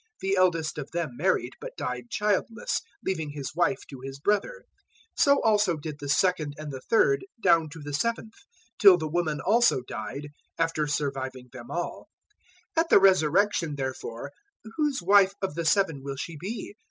The eldest of them married, but died childless, leaving his wife to his brother. 022:026 So also did the second and the third, down to the seventh, 022:027 till the woman also died, after surviving them all. 022:028 At the Resurrection, therefore, whose wife of the seven will she be?